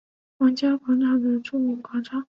皇家广场的著名广场。